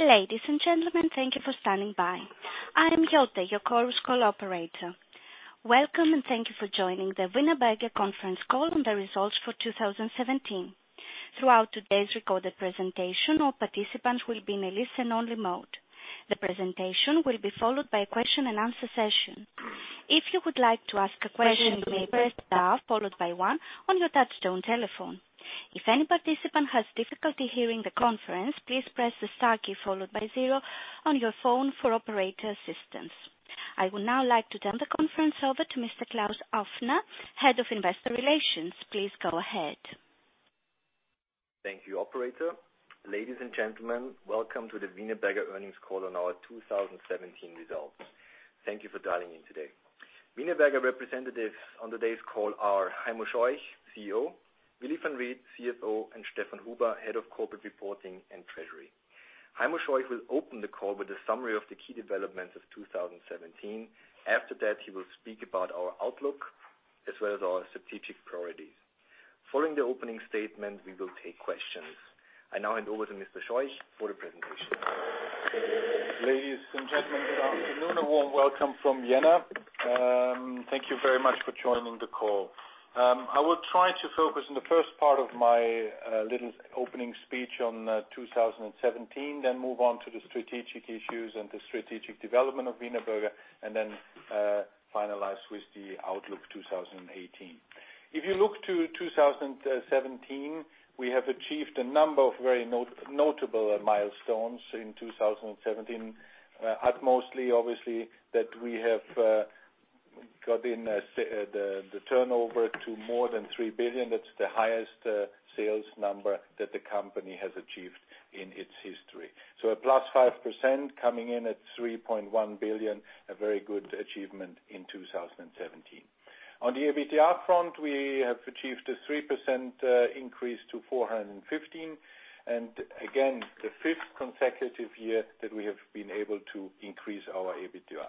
Ladies and gentlemen, thank you for standing by. I am Yote, your chorus call operator. Welcome, and thank you for joining the Wienerberger conference call on the results for 2017. Throughout today's recorded presentation, all participants will be in a listen-only mode. The presentation will be followed by a question and answer session. If you would like to ask a question, you may press star followed by one on your touchtone telephone. If any participant has difficulty hearing the conference, please press the star key followed by zero on your phone for operator assistance. I would now like to turn the conference over to Mr. Klaus Ofner, Head of Investor Relations. Please go ahead. Thank you, operator. Ladies and gentlemen, welcome to the Wienerberger earnings call on our 2017 results. Thank you for dialing in today. Wienerberger representatives on today's call are Heimo Scheuch, CEO, Willy Van Riet, CFO, and Stefan Huber, Head of Corporate Reporting and Treasury. Heimo Scheuch will open the call with a summary of the key developments of 2017. After that, he will speak about our outlook as well as our strategic priorities. Following the opening statement, we will take questions. I now hand over to Mr. Scheuch for the presentation. Ladies and gentlemen, good afternoon. A warm welcome from Vienna. Thank you very much for joining the call. I will try to focus on the first part of my little opening speech on 2017, then move on to the strategic issues and the strategic development of Wienerberger, and then finalize with the outlook 2018. If you look to 2017, we have achieved a number of very notable milestones in 2017. Utmost obviously, that we have got in the turnover to more than 3 billion. That is the highest sales number that the company has achieved in its history. So a +5% coming in at 3.1 billion, a very good achievement in 2017. On the EBITDA front, we have achieved a 3% increase to 415 million and again, the fifth consecutive year that we have been able to increase our EBITDA.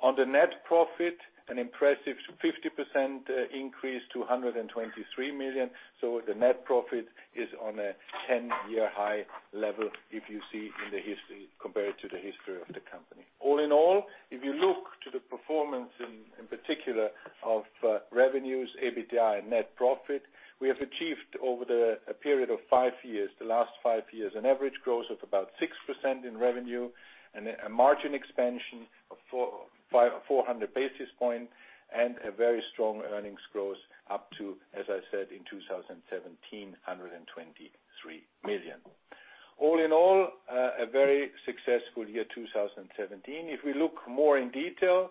On the net profit, an impressive 50% increase to 123 million, so the net profit is on a 10-year high level if you see in the history, compared to the history of the company. All in all, if you look to the performance in particular of revenues, EBITDA, and net profit, we have achieved over a period of five years, the last five years, an average growth of about 6% in revenue and a margin expansion of 400 basis points and a very strong earnings growth up to, as I said, in 2017, 123 million. All in all, a very successful year 2017. If we look more in detail,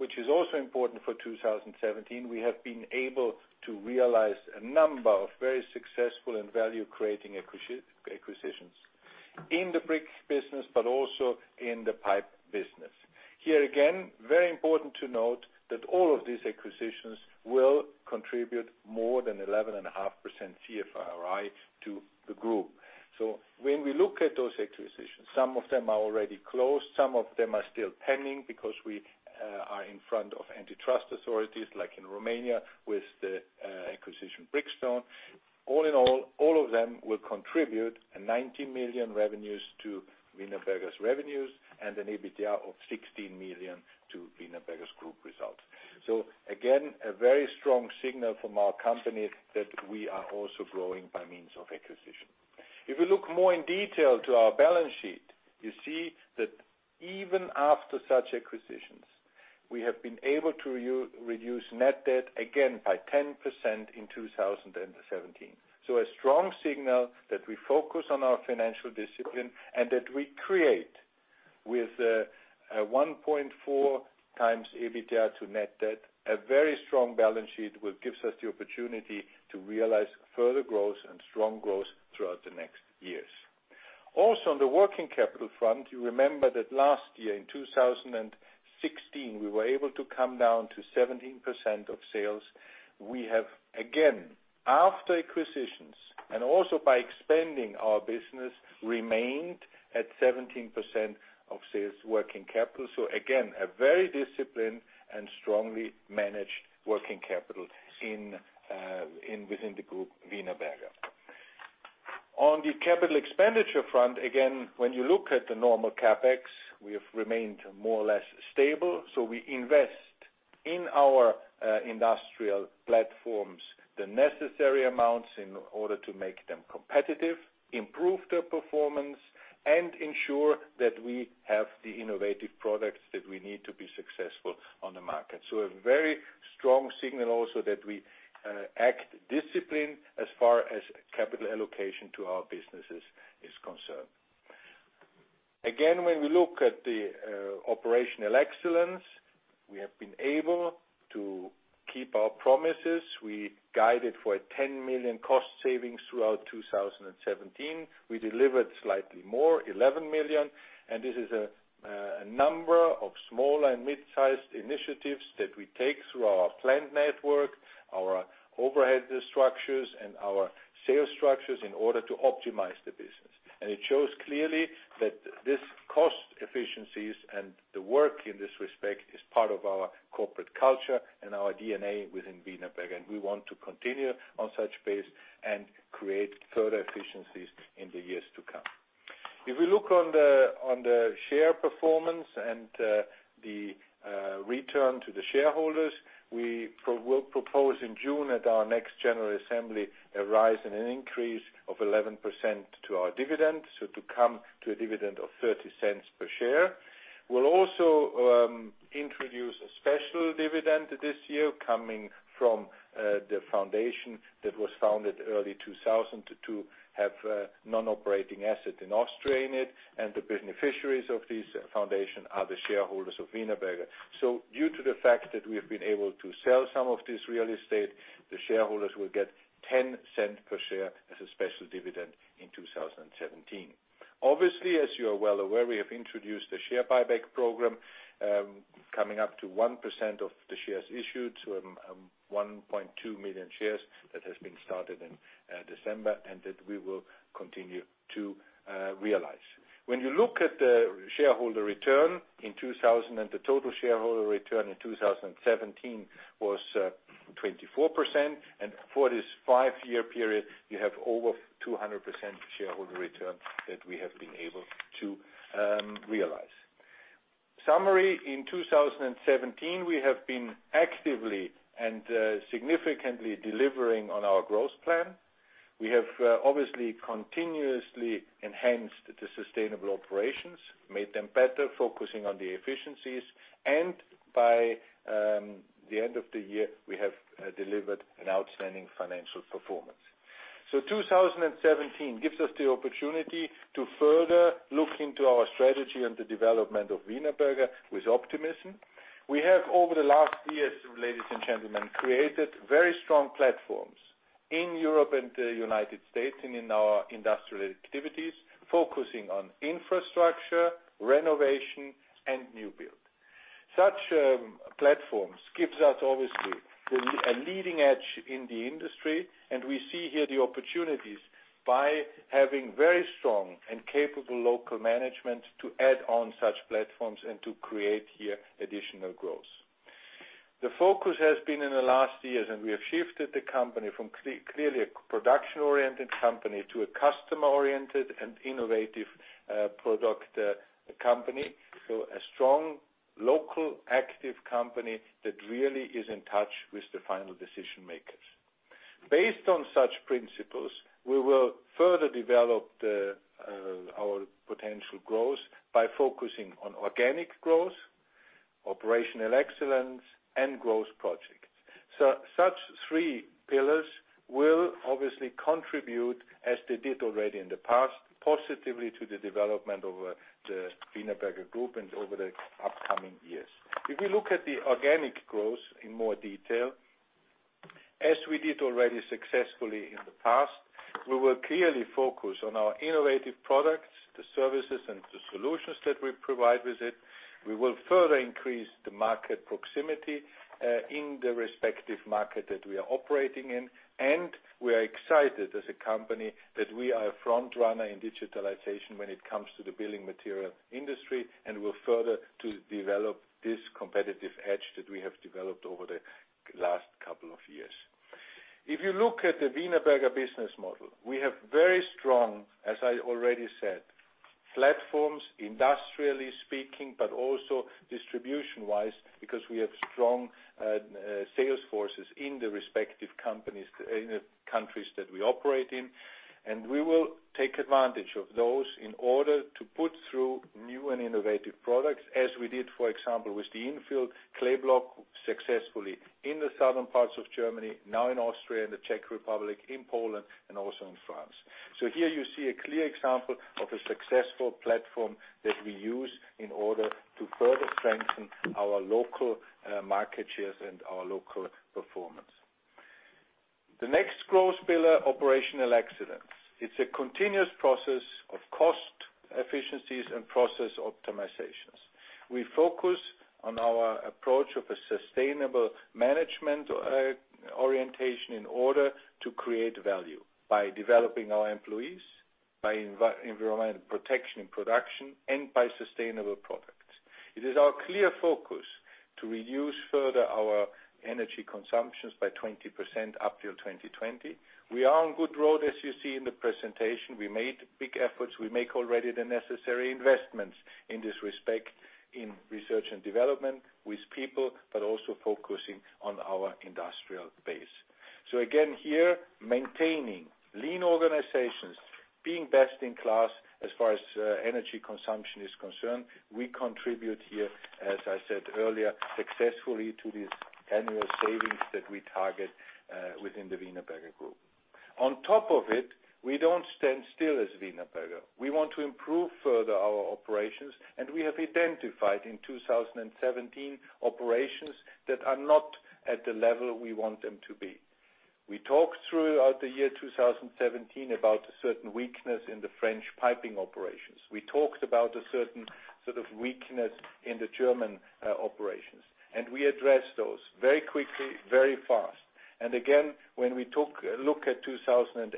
which is also important for 2017, we have been able to realize a number of very successful and value-creating acquisitions in the brick business, but also in the pipe business. Here again, very important to note that all of these acquisitions will contribute more than 11.5% CFROI to the group. When we look at those acquisitions, some of them are already closed, some of them are still pending because we are in front of antitrust authorities, like in Romania with the acquisition Brikston. All in all of them will contribute 90 million revenues to Wienerberger's revenues and an EBITDA of 16 million to Wienerberger's group results. Again, a very strong signal from our company that we are also growing by means of acquisition. If you look more in detail to our balance sheet, you see that even after such acquisitions, we have been able to reduce net debt again by 10% in 2017. A strong signal that we focus on our financial discipline and that we create with a 1.4x EBITDA to net debt, a very strong balance sheet, which gives us the opportunity to realize further growth and strong growth throughout the next years. Also, on the working capital front, you remember that last year in 2016, we were able to come down to 17% of sales. We have, again, after acquisitions and also by expanding our business, remained at 17% of sales working capital. Again, a very disciplined and strongly managed working capital within the Wienerberger Group. On the capital expenditure front, again, when you look at the normal CapEx, we have remained more or less stable. We invest in our industrial platforms, the necessary amounts in order to make them competitive, improve their performance, and ensure that we have the innovative products that we need to be successful on the market. A very strong signal also that we act disciplined as far as capital allocation to our businesses is concerned. Again, when we look at the operational excellence, we have been able to keep our promises. We guided for 10 million cost savings throughout 2017. We delivered slightly more, 11 million, and this is a number of small and mid-sized initiatives that we take through our plant network, our overhead structures, and our sales structures in order to optimize the business. It shows clearly that this cost efficiencies and the work in this respect is part of our corporate culture and our DNA within Wienerberger, and we want to continue on such pace and create further efficiencies in the years to come. If we look on the share performance and the return to the shareholders, we will propose in June at our next general assembly, a rise and an increase of 11% to our dividend. To come to a dividend of 0.30 per share. We'll also introduce a special dividend this year coming from the foundation that was founded early 2000 to have non-operating asset in Austria in it, and the beneficiaries of this foundation are the shareholders of Wienerberger. Due to the fact that we have been able to sell some of this real estate, the shareholders will get 0.10 per share as a special dividend in 2017. As you are well aware, we have introduced a share buyback program, coming up to 1% of the shares issued, so 1.2 million shares. That has been started in December, and that we will continue to realize. When you look at the shareholder return in 2000, the total shareholder return in 2017 was 24%, and for this five-year period, you have over 200% shareholder return that we have been able to realize. Summary. In 2017, we have been actively and significantly delivering on our growth plan. We have continuously enhanced the sustainable operations, made them better, focusing on the efficiencies, and by the end of the year, we have delivered an outstanding financial performance. 2017 gives us the opportunity to further look into our strategy and the development of Wienerberger with optimism. We have, over the last years, ladies and gentlemen, created very strong platforms in Europe and the United States and in our industrial activities, focusing on infrastructure, renovation, and new build. Such platforms gives us obviously a leading edge in the industry, and we see here the opportunities by having very strong and capable local management to add on such platforms and to create here additional growth. The focus has been in the last years, and we have shifted the company from clearly a production-oriented company to a customer-oriented and innovative product company. A strong local active company that really is in touch with the final decision makers. Based on such principles, we will further develop our potential growth by focusing on organic growth, operational excellence, and growth projects. Such three pillars will obviously contribute, as they did already in the past, positively to the development of the Wienerberger Group and over the upcoming years. If we look at the organic growth in more detail, as we did already successfully in the past, we will clearly focus on our innovative products, the services, and the solutions that we provide with it. We will further increase the market proximity, in the respective market that we are operating in. We are excited as a company that we are a front runner in digitalization when it comes to the building material industry and will further to develop this competitive edge that we have developed over the last couple of years. If you look at the Wienerberger business model, we have very strong, as I already said, platforms, industrially speaking, but also distribution-wise because we have strong sales forces in the respective countries that we operate in. We will take advantage of those in order to put through new and innovative products as we did, for example, with the infill clay block successfully in the southern parts of Germany, now in Austria and the Czech Republic, in Poland, and also in France. Here you see a clear example of a successful platform that we use in order to further strengthen our local market shares and our local performance. The next growth pillar, operational excellence. It's a continuous process of cost efficiencies and process optimizations. We focus on our approach of a sustainable management orientation in order to create value by developing our employees, by environmental protection in production, and by sustainable products. It is our clear focus to reduce further our energy consumptions by 20% up to 2020. We are on good road, as you see in the presentation. We made big efforts. We make already the necessary investments in this respect, in research and development with people, but also focusing on our industrial base. Again here, maintaining lean organizations, being best in class as far as energy consumption is concerned. We contribute here, as I said earlier, successfully to these annual savings that we target within the Wienerberger Group. On top of it, we don't stand still as Wienerberger. We want to improve further our operations. We have identified in 2017, operations that are not at the level we want them to be. We talked throughout the year 2017 about a certain weakness in the French piping operations. We talked about a certain sort of weakness in the German operations. We addressed those very quickly, very fast. Again, when we look at 2018,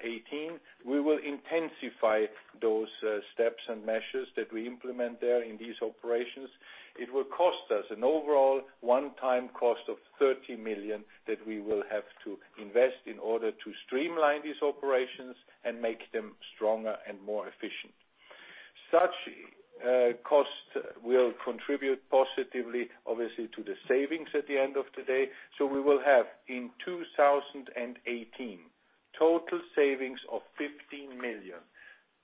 we will intensify those steps and measures that we implement there in these operations. It will cost us an overall one-time cost of 30 million that we will have to invest in order to streamline these operations and make them stronger and more efficient. Such cost will contribute positively, obviously, to the savings at the end of today. We will have, in 2018, total savings of 15 million,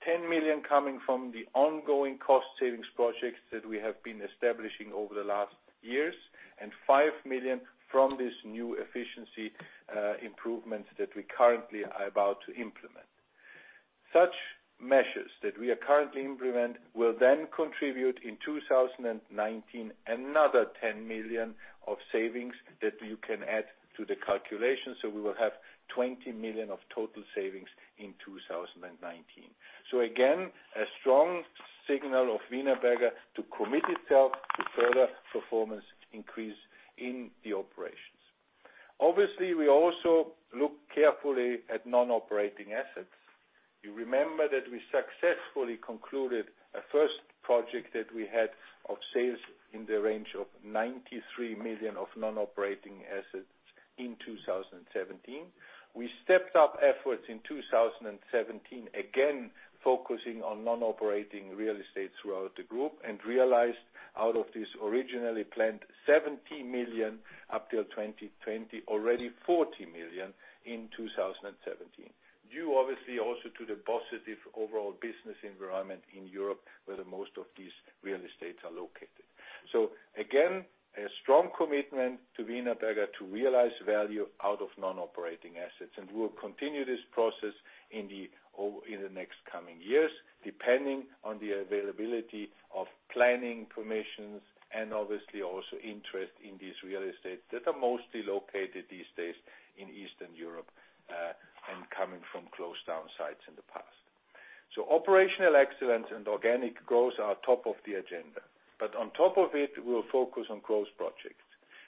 10 million coming from the ongoing cost savings projects that we have been establishing over the last years, and 5 million from this new efficiency improvements that we currently are about to implement. Such measures that we are currently implement will contribute in 2019 another 10 million of savings that you can add to the calculation. We will have 20 million of total savings in 2019. Again, a strong signal of Wienerberger to commit itself to further performance increase in the operations. Obviously, we also look carefully at non-operating assets. You remember that we successfully concluded a first project that we had of sales in the range of 93 million of non-operating assets in 2017. We stepped up efforts in 2017, again, focusing on non-operating real estate throughout the group and realized out of this originally planned 70 million up till 2020, already 40 million in 2017, due obviously also to the positive overall business environment in Europe where the most of these real estates are located. Again, a strong commitment to Wienerberger to realize value out of non-operating assets. We will continue this process in the next coming years, depending on the availability of planning permissions and obviously also interest in these real estates that are mostly located these days in Eastern Europe, and coming from closed down sites in the past. Operational excellence and organic growth are top of the agenda. On top of it, we'll focus on growth projects.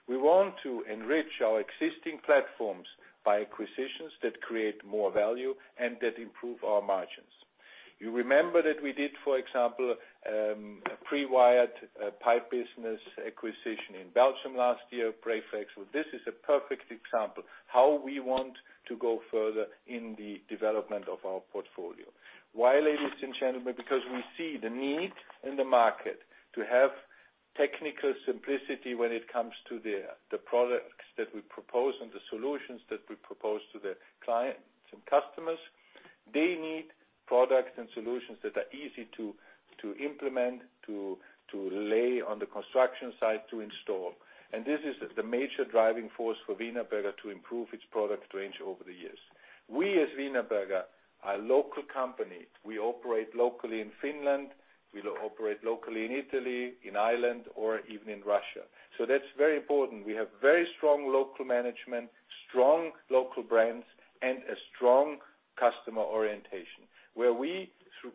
We want to enrich our existing platforms by acquisitions that create more value and that improve our margins. You remember that we did, for example, a pre-wired pipe business acquisition in Belgium last year, Preflex. This is a perfect example how we want to go further in the development of our portfolio. Why, ladies and gentlemen? Because we see the need in the market to have technical simplicity when it comes to the products that we propose and the solutions that we propose to the clients and customers. They need products and solutions that are easy to implement, to lay on the construction site, to install. This is the major driving force for Wienerberger to improve its product range over the years. We, as Wienerberger, are a local company. We operate locally in Finland, we operate locally in Italy, in Ireland, or even in Russia. That's very important. We have very strong local management, strong local brands, and a strong customer orientation, where we,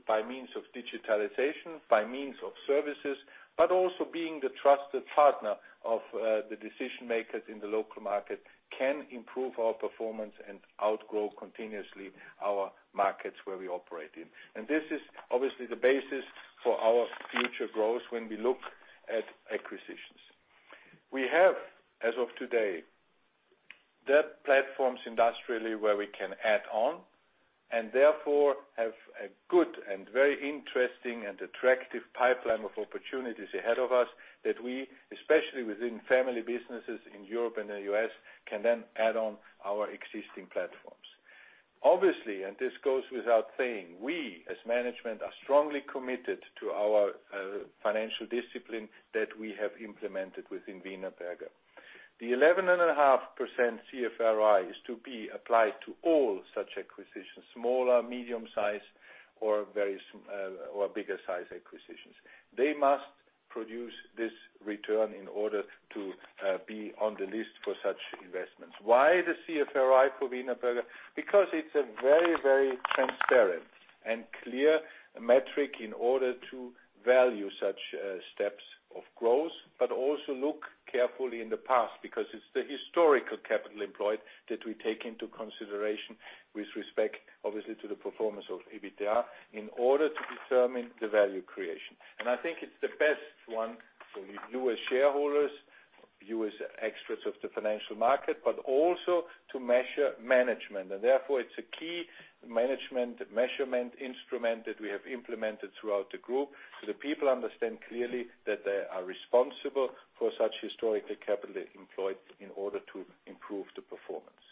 by means of digitalization, by means of services, but also being the trusted partner of the decision-makers in the local market, can improve our performance and outgrow continuously our markets where we operate in. This is obviously the basis for our future growth when we look at acquisitions. We have, as of today, the platforms industrially where we can add on, and therefore have a good and very interesting and attractive pipeline of opportunities ahead of us that we, especially within family businesses in Europe and the U.S., can then add on our existing platforms. Obviously, this goes without saying, we as management are strongly committed to our financial discipline that we have implemented within Wienerberger. The 11.5% CFROI is to be applied to all such acquisitions, smaller, medium size, or bigger size acquisitions. They must produce this return in order to be on the list for such investments. Why the CFROI for Wienerberger? Because it's a very transparent and clear metric in order to value such steps of growth, but also look carefully in the past, because it's the historical capital employed that we take into consideration with respect, obviously, to the performance of EBITDA in order to determine the value creation. I think it's the best one for you as shareholders, you as experts of the financial market, but also to measure management. Therefore, it's a key management measurement instrument that we have implemented throughout the group so that people understand clearly that they are responsible for such historical capital employed in order to improve the performance.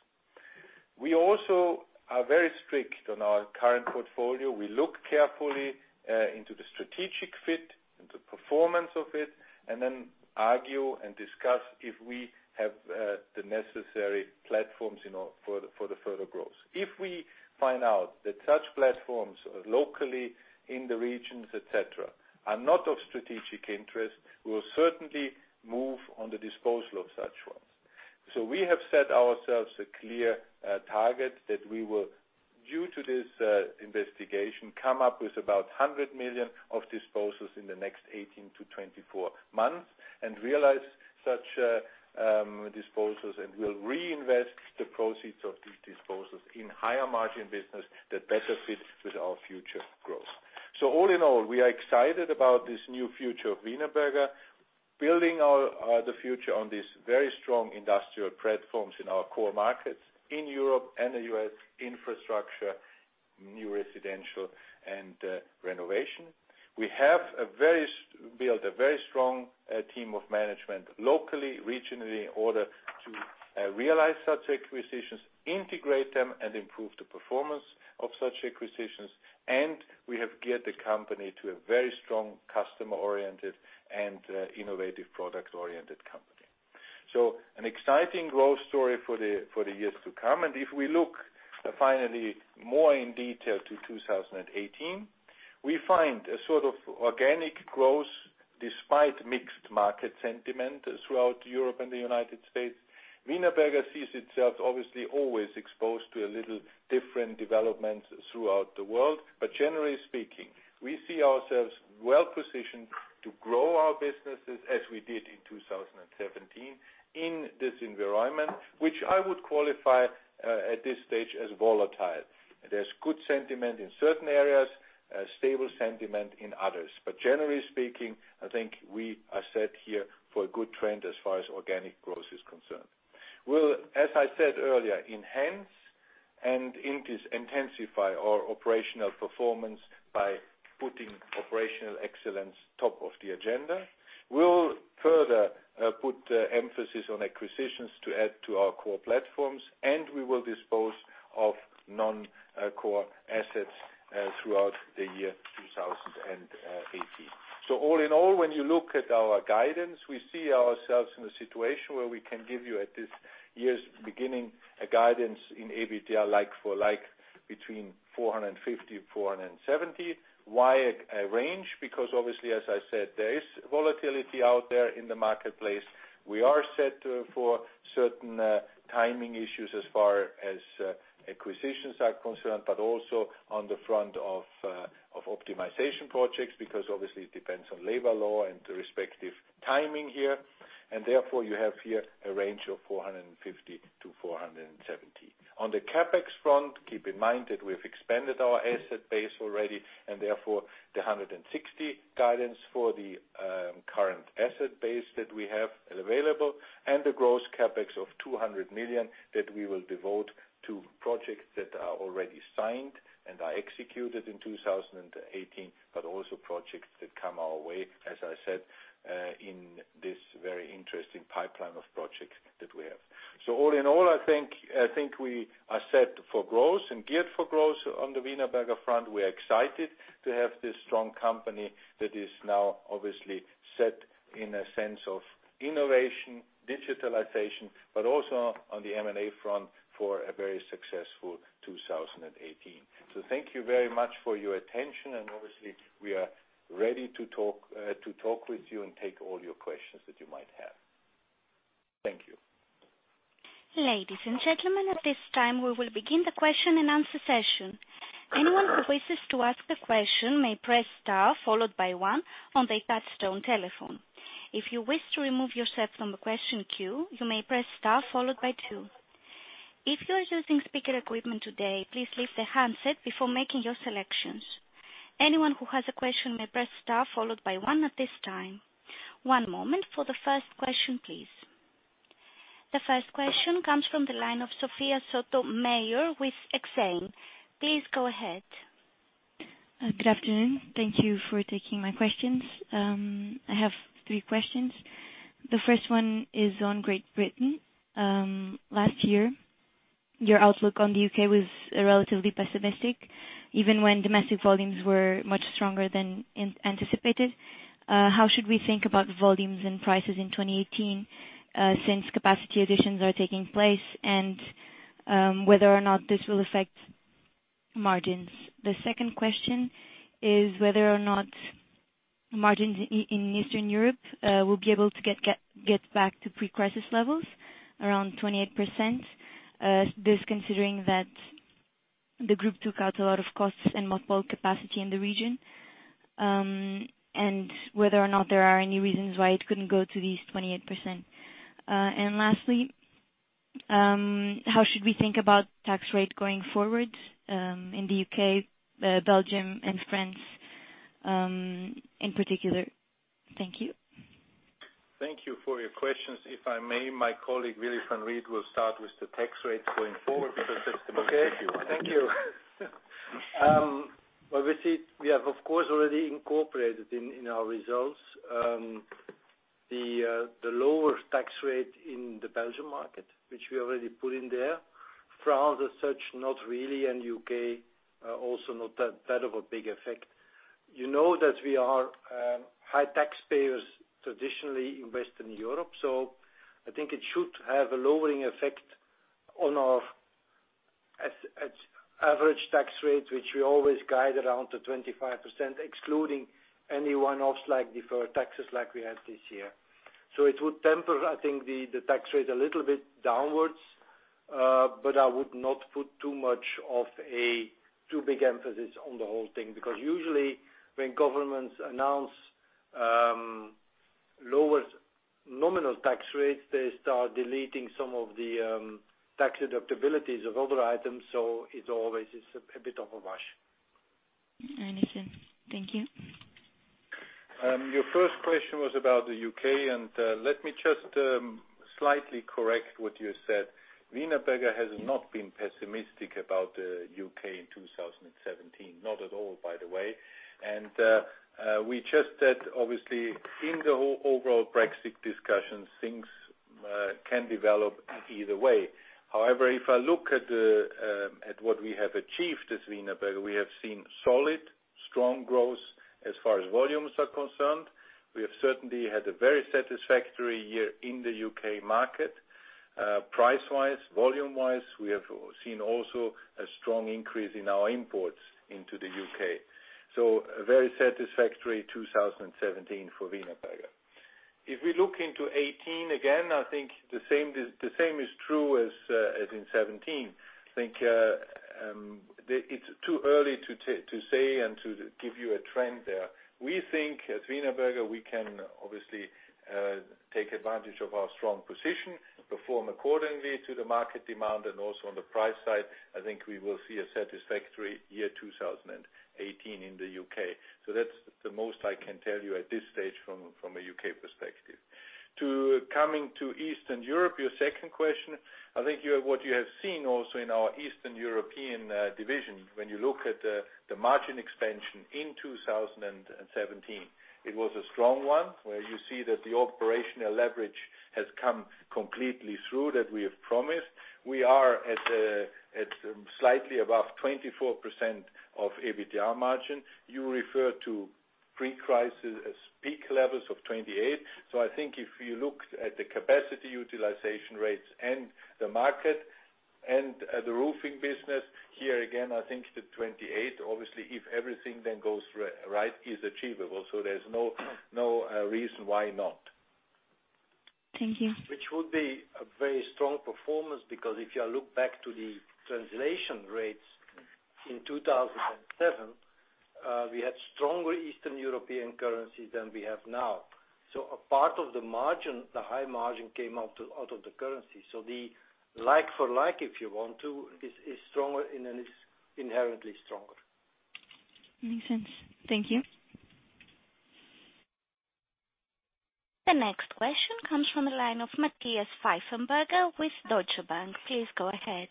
We also are very strict on our current portfolio. We look carefully into the strategic fit, into performance of it, and then argue and discuss if we have the necessary platforms in order for the further growth. If we find out that such platforms locally in the regions, et cetera, are not of strategic interest, we'll certainly move on the disposal of such ones. We have set ourselves a clear target that we will Due to this investigation, come up with about 100 million of disposals in the next 18 months-24 months and realize such disposals. We'll reinvest the proceeds of these disposals in higher margin business that better fits with our future growth. All in all, we are excited about this new future of Wienerberger, building the future on these very strong industrial platforms in our core markets in Europe and the U.S., infrastructure, new residential, and renovation. We have built a very strong team of management locally, regionally, in order to realize such acquisitions, integrate them, and improve the performance of such acquisitions. We have geared the company to a very strong customer-oriented and innovative product-oriented company. An exciting growth story for the years to come. If we look finally more in detail to 2018, we find a sort of organic growth despite mixed market sentiment throughout Europe and the United States. Wienerberger sees itself obviously always exposed to a little different developments throughout the world. Generally speaking, we see ourselves well-positioned to grow our businesses as we did in 2017 in this environment, which I would qualify at this stage as volatile. There's good sentiment in certain areas, stable sentiment in others. Generally speaking, I think we are set here for a good trend as far as organic growth is concerned. We'll, as I said earlier, enhance and intensify our operational performance by putting operational excellence top of the agenda. We'll further put emphasis on acquisitions to add to our core platforms, and we will dispose of non-core assets throughout the year 2018. All in all, when you look at our guidance, we see ourselves in a situation where we can give you, at this year's beginning, a guidance in EBITDA like for like between 450 million-470 million. Why a range? Obviously, as I said, there is volatility out there in the marketplace. We are set for certain timing issues as far as acquisitions are concerned, but also on the front of optimization projects, because obviously it depends on labor law and the respective timing here, and therefore you have here a range of 450 million to 470 million. On the CapEx front, keep in mind that we've expanded our asset base already, and therefore the 160 million guidance for the current asset base that we have available and the gross CapEx of 200 million that we will devote to projects that are already signed and are executed in 2018, but also projects that come our way, as I said, in this very interesting pipeline of projects that we have. All in all, I think we are set for growth and geared for growth on the Wienerberger front. We are excited to have this strong company that is now obviously set in a sense of innovation, digitalization, but also on the M&A front for a very successful 2018. Thank you very much for your attention, and obviously we are ready to talk with you and take all your questions that you might have. Thank you. Ladies and gentlemen, at this time we will begin the question and answer session. Anyone who wishes to ask a question may press star followed by one on their touch-tone telephone. If you wish to remove yourself from the question queue, you may press star followed by two. If you are using speaker equipment today, please leave the handset before making your selections. Anyone who has a question may press star followed by one at this time. One moment for the first question, please. The first question comes from the line of Sophia Sotomayor with Exane. Please go ahead. Good afternoon. Thank you for taking my questions. I have three questions. The first one is on Great Britain. Last year, your outlook on the U.K. was relatively pessimistic, even when domestic volumes were much stronger than anticipated. How should we think about volumes and prices in 2018, since capacity additions are taking place and whether or not this will affect margins? The second question is whether or not margins in Eastern Europe will be able to get back to pre-crisis levels around 28%, this considering that the group took out a lot of costs and multiple capacity in the region, and whether or not there are any reasons why it couldn't go to these 28%. Lastly, how should we think about tax rate going forward, in Belgium, and France, in particular? Thank you. Thank you for your questions. If I may, my colleague, Willy Van Riet, will start with the tax rates going forward, because that's the most difficult. Okay. Thank you. Obviously, we have, of course, already incorporated in our results, the lower tax rate in the Belgium market, which we already put in there. France as such, not really, and U.K., also not that of a big effect. You know that we are high taxpayers traditionally in Western Europe. I think it should have a lowering effect on our average tax rate, which we always guide around to 25%, excluding any one-offs like deferred taxes like we had this year. It would temper, I think, the tax rate a little bit downwards. I would not put too much of a too big emphasis on the whole thing, because usually when governments announce lower nominal tax rates, they start deleting some of the tax deductibilities of other items, so it's always a bit of a rush. I understand. Thank you. Your first question was about the U.K., let me just slightly correct what you said. Wienerberger has not been pessimistic about U.K. in 2017. Not at all, by the way. We just said, obviously, in the whole overall Brexit discussion, things can develop either way. However, if I look at what we have achieved as Wienerberger, we have seen solid, strong growth as far as volumes are concerned. We have certainly had a very satisfactory year in the U.K. market. Price-wise, volume-wise, we have seen also a strong increase in our imports into the U.K. A very satisfactory 2017 for Wienerberger. If we look into 2018, again, I think the same is true as in 2017. I think it's too early to say and to give you a trend there. We think at Wienerberger, we can obviously take advantage of our strong position, perform accordingly to the market demand, and also on the price side, I think we will see a satisfactory year 2018 in the U.K. That's the most I can tell you at this stage from a U.K. perspective. Coming to Eastern Europe, your second question, I think what you have seen also in our Eastern European division, when you look at the margin expansion in 2017. It was a strong one, where you see that the operational leverage has come completely through that we have promised. We are at slightly above 24% of EBITDA margin. You refer to pre-crisis as peak levels of 28. I think if you look at the capacity utilization rates and the market and the roofing business, here again, I think the 28, obviously, if everything then goes right, is achievable. There's no reason why not. Thank you. Which would be a very strong performance, because if you look back to the translation rates in 2007, we had stronger Eastern European currency than we have now. A part of the margin, the high margin, came out of the currency. The like for like, if you want to, is inherently stronger. Makes sense. Thank you. The next question comes from the line of Matthias Pfeifenberger with Deutsche Bank. Please go ahead.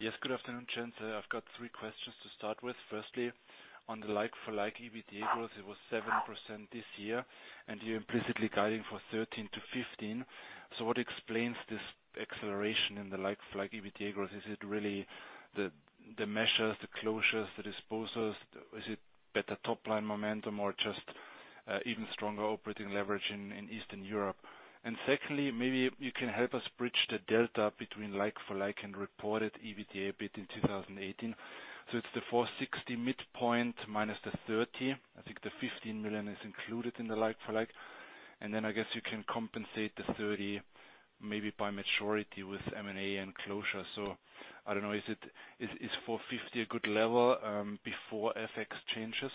Yes, good afternoon, gents. I've got three questions to start with. Firstly, on the like for like EBITDA growth, it was 7% this year, and you're implicitly guiding for 13%-15%. What explains this acceleration in the like for like EBITDA growth? Is it really the measures, the closures, the disposals? Is it better top-line momentum or just even stronger operating leverage in Eastern Europe? Secondly, maybe you can help us bridge the delta between like for like and reported EBITDA bit in 2018. It's the 460 midpoint minus the 30. I think the 15 million is included in the like for like. I guess you can compensate the 30 maybe by maturity with M&A and closure. I don't know, is 450 a good level before FX changes?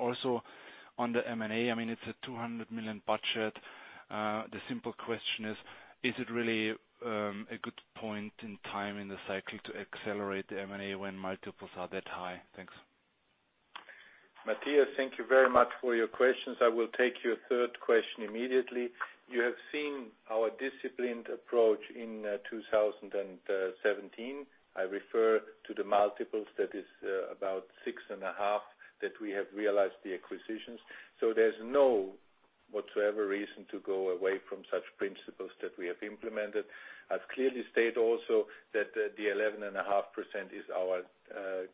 Also on the M&A, it's a 200 million budget. The simple question is it really a good point in time in the cycle to accelerate the M&A when multiples are that high? Thanks. Matthias, thank you very much for your questions. I will take your third question immediately. You have seen our disciplined approach in 2017. I refer to the multiples, that is about six and a half that we have realized the acquisitions. There's no whatsoever reason to go away from such principles that we have implemented. I've clearly stated also that the 11.5% is our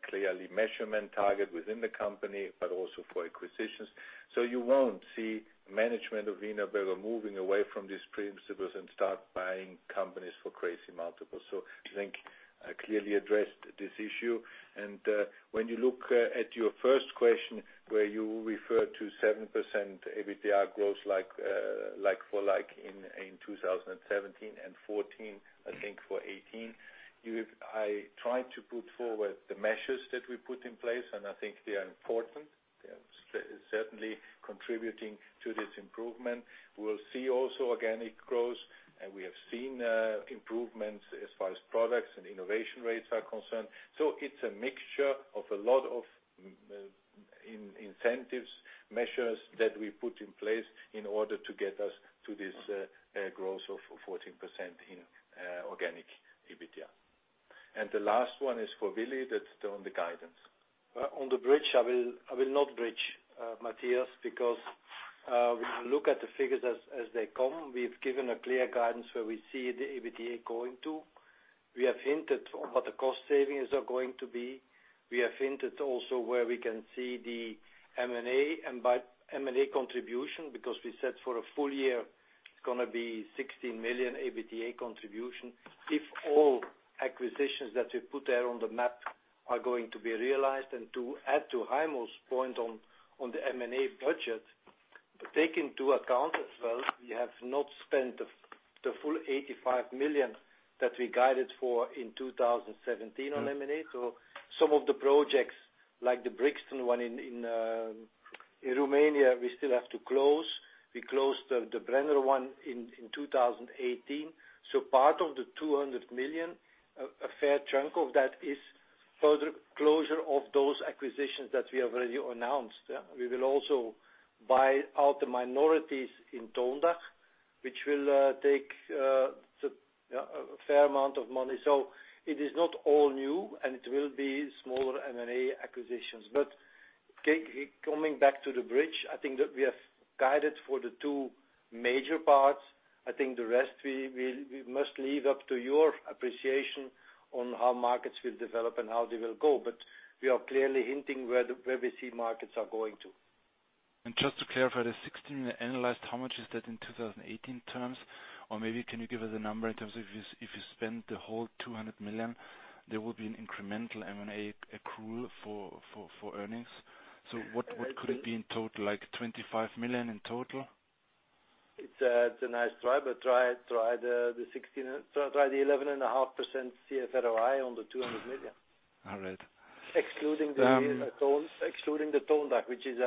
clearly measurement target within the company, but also for acquisitions. You won't see management of Wienerberger moving away from these principles and start buying companies for crazy multiples. I think I clearly addressed this issue. When you look at your first question, where you refer to 7% EBITDA growth like for like in 2017 and 14%, I think for 2018, I tried to put forward the measures that we put in place, and I think they are important. They are certainly contributing to this improvement. We'll see also organic growth, and we have seen improvements as far as products and innovation rates are concerned. It's a mixture of a lot of incentives, measures that we put in place in order to get us to this growth of 14% in organic EBITDA. The last one is for Willy, that's on the guidance. On the bridge, I will not bridge, Matthias, because we look at the figures as they come. We've given a clear guidance where we see the EBITDA going to. We have hinted on what the cost savings are going to be. We have hinted also where we can see the M&A contribution, because we said for a full year it's going to be 16 million EBITDA contribution if all acquisitions that we put there on the map are going to be realized. To add to Heimo's point on the M&A budget, but take into account as well, we have not spent the full 85 million that we guided for in 2017 on M&A. Some of the projects, like the Brikston one in Romania, we still have to close. We closed the Brenner one in 2018. Part of the 200 million, a fair chunk of that is further closure of those acquisitions that we have already announced. We will also buy out the minorities in Tondach, which will take a fair amount of money. It is not all new, and it will be smaller M&A acquisitions. Coming back to the bridge, I think that we have guided for the two major parts. I think the rest we must leave up to your appreciation on how markets will develop and how they will go. We are clearly hinting where we see markets are going to. Just to clarify the 16 analyzed, how much is that in 2018 terms? Maybe can you give us a number in terms of if you spend the whole 200 million, there will be an incremental M&A accrual for earnings. What could it be in total, like 25 million in total? It's a nice try the 11.5% CFROI on the EUR 200 million. All right. Excluding the Tondach, which is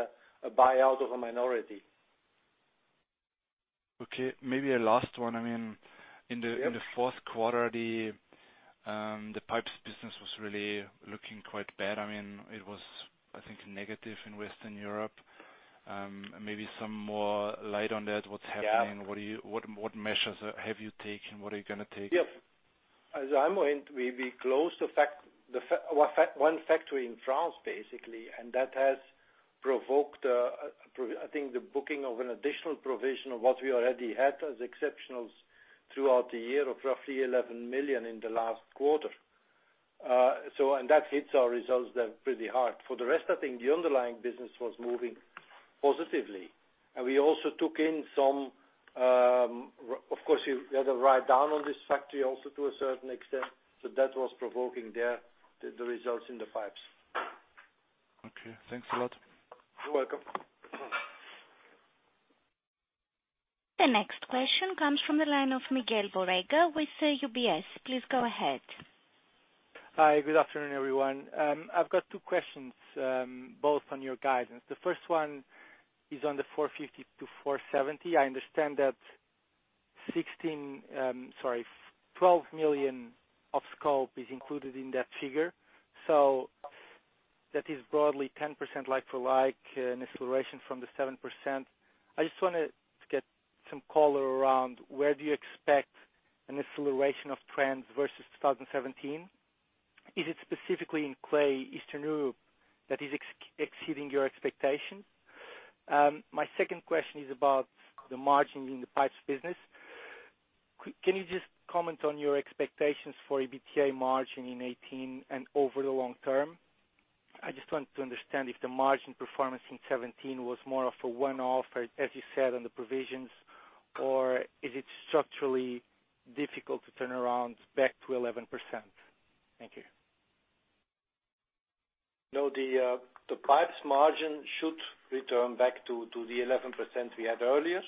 a buyout of a minority. Okay, maybe a last one. In the fourth quarter, the pipes business was really looking quite bad. It was, I think negative in Western Europe. Maybe some more light on that. What's happening? What measures have you taken? What are you going to take? Yes. As I'm going, we closed one factory in France, basically, that has provoked, I think the booking of an additional provision of what we already had as exceptionals throughout the year of roughly 11 million in the last quarter. That hits our results there pretty hard. For the rest, I think the underlying business was moving positively. We also took in some, of course, we had a write down on this factory also to a certain extent. That was provoking the results in the pipes. Okay, thanks a lot. You're welcome. The next question comes from the line of Miguel Borrega with UBS. Please go ahead. Hi, good afternoon, everyone. I've got two questions, both on your guidance. The first one is on the 450-470. I understand that 12 million of scope is included in that figure. That is broadly 10% like for like, an acceleration from the 7%. I just wanted to get some color around where do you expect an acceleration of trends versus 2017? Is it specifically in clay, Eastern Europe that is exceeding your expectations? My second question is about the margins in the pipes business. Can you just comment on your expectations for EBITDA margin in 2018 and over the long term? I just want to understand if the margin performance in 2017 was more of a one-off, as you said, on the provisions, or is it structurally difficult to turn around back to 11%? Thank you. No, the pipes margin should return back to the 11% we had earlier.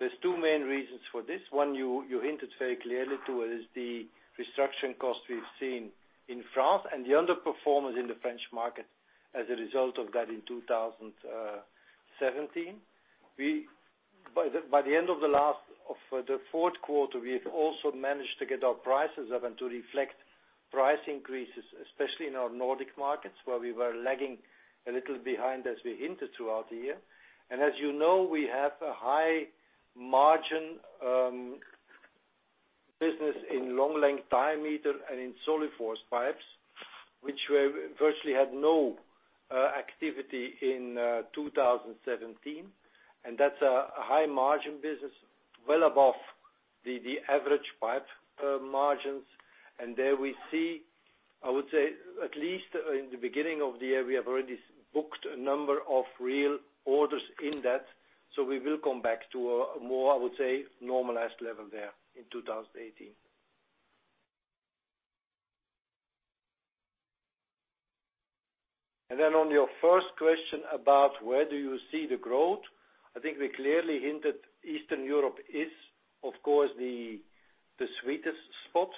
There's two main reasons for this. One, you hinted very clearly to is the restructuring cost we've seen in France and the underperformance in the French market as a result of that in 2017. By the end of the fourth quarter, we've also managed to get our prices up and to reflect price increases, especially in our Nordic markets, where we were lagging a little behind as we hinted throughout the year. As you know, we have a high margin business in long length diameter and in SoluForce pipes, which virtually had no activity in 2017. That's a high margin business, well above the average pipe margins. There we see, I would say at least in the beginning of the year, we have already booked a number of real orders in that. We will come back to a more, I would say, normalized level there in 2018. On your first question about where do you see the growth, I think we clearly hinted Eastern Europe is, of course, the sweetest spot,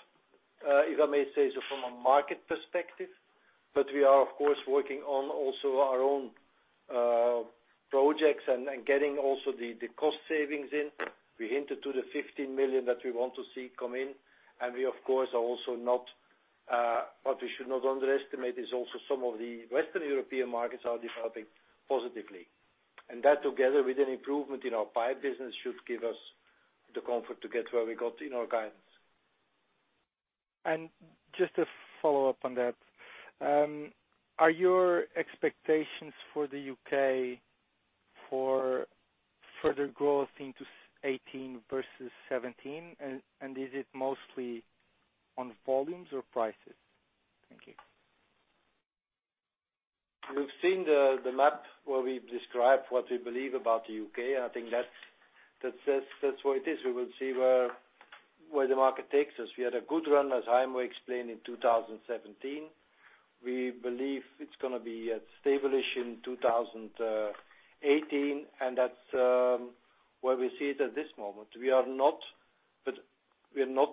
if I may say, so from a market perspective. We are, of course, working on also our own projects and getting also the cost savings in. We hinted to the 15 million that we want to see come in. We, of course, what we should not underestimate is also some of the Western European markets are developing positively. That together with an improvement in our pipe business should give us the comfort to get where we got in our guidance. Just to follow up on that. Are your expectations for the U.K. for further growth into 2018 versus 2017? Is it mostly on volumes or prices? Thank you. You've seen the map where we've described what we believe about the U.K., I think that's the way it is. We will see where the market takes us. We had a good run, as Heimo explained, in 2017. We believe it's going to be stable-ish in 2018, that's where we see it at this moment. We are not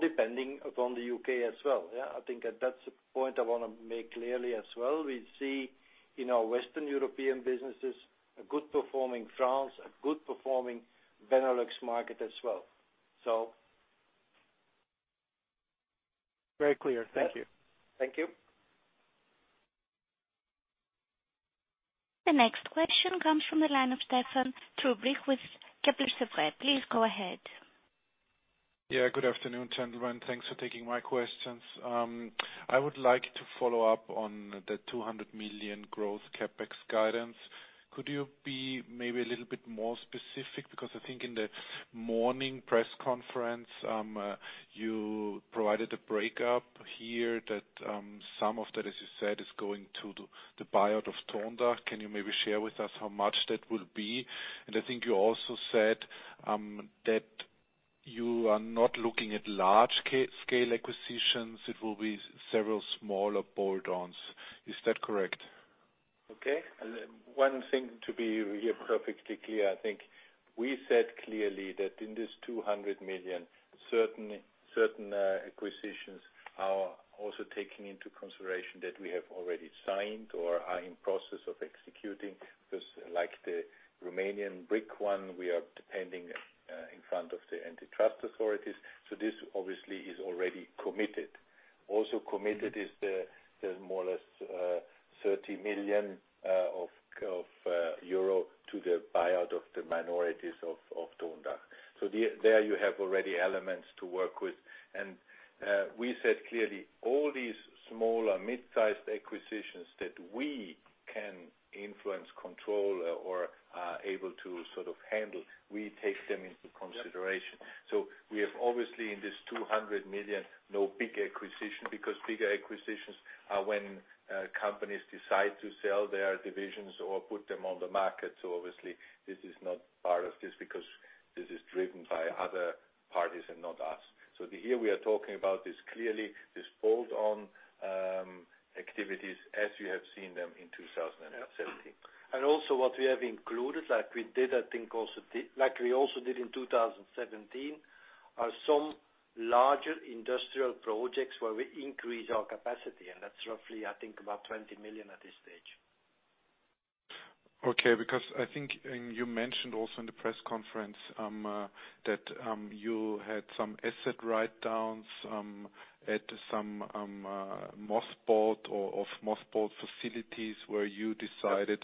depending upon the U.K. as well. I think that's a point I want to make clearly as well. We see in our Western European businesses, a good performing France, a good performing Benelux market as well. Very clear. Thank you. Thank you. The next question comes from the line of Stephan Trubrich with Kepler Cheuvreux. Please go ahead. Good afternoon, gentlemen. Thanks for taking my questions. I would like to follow up on the 200 million growth CapEx guidance. Could you be maybe a little bit more specific? Because I think in the morning press conference, you provided a breakup here that some of that, as you said, is going to the buyout of Tondach. Can you maybe share with us how much that will be? I think you also said that you are not looking at large scale acquisitions, it will be several smaller bolt-ons. Is that correct? Okay. One thing to be perfectly clear, I think we said clearly that in this 200 million, certain acquisitions are also taking into consideration that we have already signed or are in process of executing, because like the Romanian brick one, we are depending in front of the antitrust authorities. This obviously is already committed. Also committed is the more or less 30 million euro to the buyout of the minorities of Tondach. There you have already elements to work with. We said clearly, all these small or mid-sized acquisitions that we can influence, control, or are able to handle, we take them into consideration. We have obviously in this 200 million, no big acquisition, because bigger acquisitions are when companies decide to sell their divisions or put them on the market. Obviously this is not part of this because this is driven by other parties and not us. Here we are talking about this clearly, this bolt-on activities as you have seen them in 2017. Also what we have included, like we also did in 2017, are some larger industrial projects where we increase our capacity, and that's roughly, I think, about 20 million at this stage. Okay, because I think, and you mentioned also in the press conference, that you had some asset write-downs at some mothballed or of mothballed facilities where you decided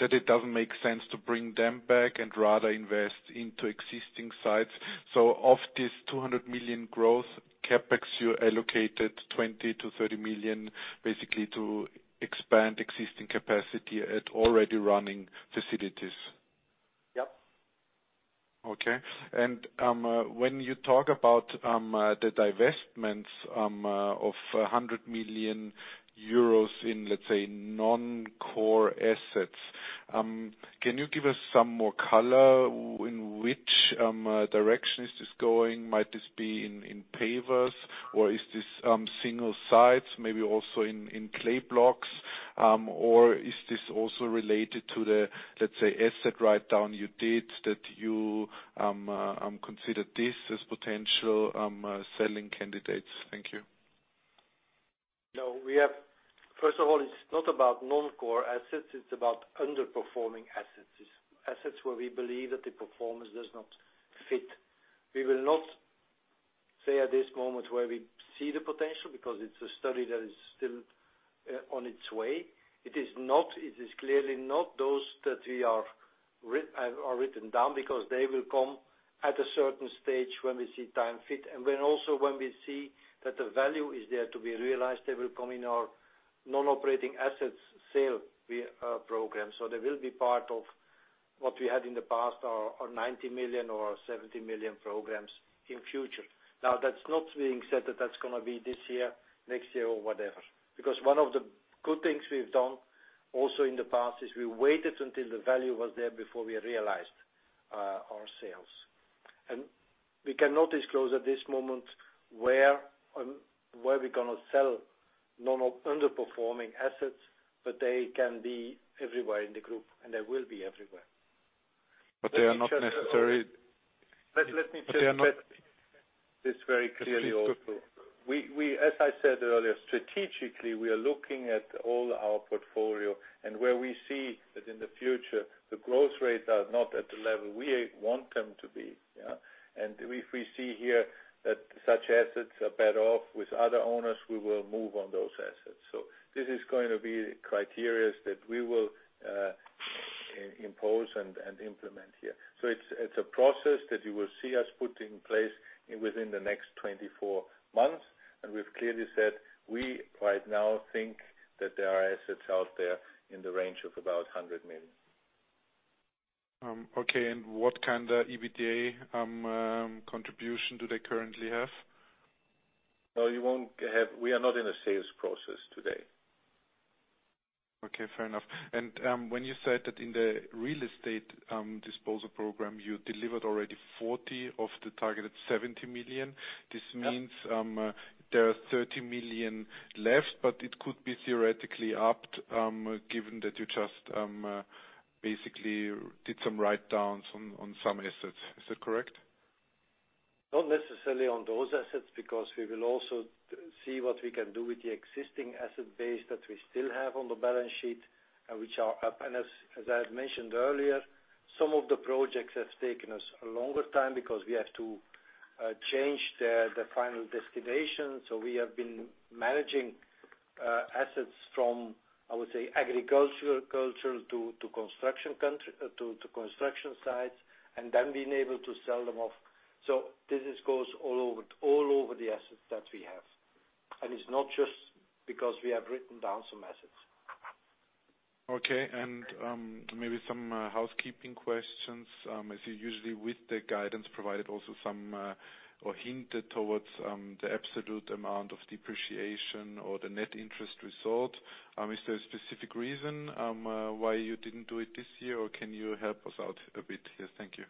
that it doesn't make sense to bring them back and rather invest into existing sites. Of this 200 million growth CapEx, you allocated 20 million to 30 million basically to expand existing capacity at already running facilities. Yep. Okay. When you talk about the divestments of 100 million euros in, let's say, non-core assets, can you give us some more color in which direction is this going? Might this be in pavers or is this single sites, maybe also in clay blocks? Or is this also related to the, let's say, asset write-down you did that you considered this as potential selling candidates? Thank you. No. First of all, it's not about non-core assets, it's about underperforming assets. Assets where we believe that the performance does not fit. We will not say at this moment where we see the potential, because it's a study that is still on its way. It is clearly not those that are written down because they will come at a certain stage when we see time fit. When we see that the value is there to be realized, they will come in our non-operating assets sale program. They will be part of what we had in the past, our 90 million or 70 million programs in future. That's not being said that that's going to be this year, next year, or whatever. One of the good things we've done also in the past is we waited until the value was there before we realized our sales. We cannot disclose at this moment where we're going to sell underperforming assets, but they can be everywhere in the group, and they will be everywhere. They are not necessary- Let me say this very clearly also. As I said earlier, strategically, we are looking at all our portfolio and where we see that in the future, the growth rates are not at the level we want them to be. If we see here that such assets are better off with other owners, we will move on those assets. This is going to be criteria that we will impose and implement here. It's a process that you will see us put in place within the next 24 months. We've clearly said we right now think that there are assets out there in the range of about 100 million. Okay. What kind of EBITDA contribution do they currently have? No, we are not in a sales process today. Okay, fair enough. When you said that in the real estate disposal program you delivered already 40 of the targeted 70 million, this means there are 30 million left, but it could be theoretically upped, given that you just basically did some write-downs on some assets. Is that correct? Not necessarily on those assets, because we will also see what we can do with the existing asset base that we still have on the balance sheet and which are up. As I had mentioned earlier, some of the projects have taken us a longer time because we have to change the final destination. We have been managing assets from, I would say, agricultural to construction sites and then being able to sell them off. This goes all over the assets that we have. It's not just because we have written down some assets. Okay. Maybe some housekeeping questions. I see usually with the guidance provided also or hinted towards the absolute amount of depreciation or the net interest result. Is there a specific reason why you didn't do it this year? Can you help us out a bit here? Thank you.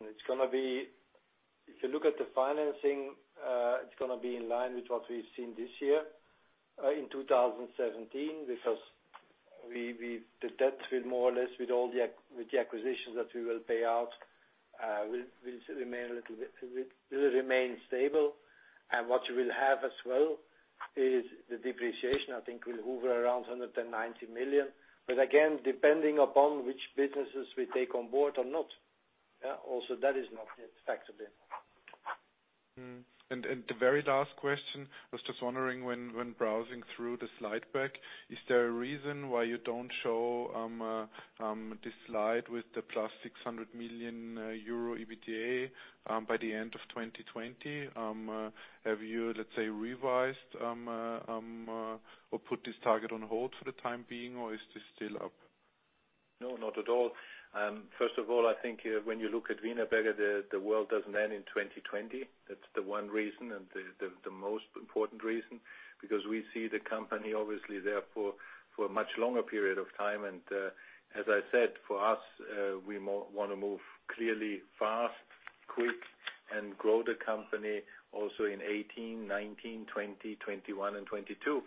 If you look at the financing, it's going to be in line with what we've seen this year in 2017, because the debt will more or less, with the acquisitions that we will pay out, will remain stable. What you will have as well is the depreciation, I think, will hover around 190 million. Again, depending upon which businesses we take on board or not. Also that is not yet factored in. The very last question, I was just wondering when browsing through the slide deck, is there a reason why you don't show this slide with the plus 600 million euro EBITDA by the end of 2020? Have you, let's say, revised or put this target on hold for the time being, or is this still up? No, not at all. First of all, I think when you look at Wienerberger, the world doesn't end in 2020. That's the one reason and the most important reason, because we see the company obviously there for a much longer period of time. As I said, for us, we want to move clearly fast, quick and grow the company also in 2018, 2019, 2020, 2021 and 2022.